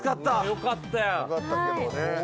よかったけどね。